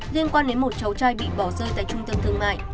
liên quan đến một cháu trai bị bỏ rơi tại trung tâm thương mại